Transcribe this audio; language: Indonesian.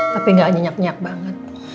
tapi gak nyenyak nyenyak banget